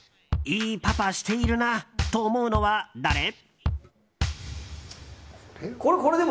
いいパパしているなと思うのは誰？